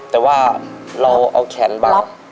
แต่ว่าเราเอาแขนบัง